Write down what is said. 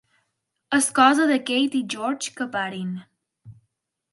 És cosa de Kate i George que parin.